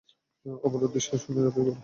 ওপারের উদ্দেশে শূন্যে ঝাঁপিয়ে পড়ে।